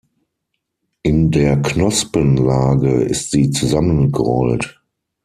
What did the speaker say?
In der Knospenlage ist sie zusammengerollt.